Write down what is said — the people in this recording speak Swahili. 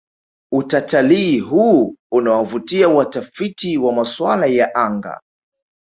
utatalii huu unawavutia watafiti wa maswala ya anga